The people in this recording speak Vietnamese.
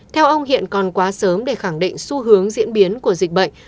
theo ông hiện còn quá sớm để khẳng định xu hướng diễn biến của dịch bệnh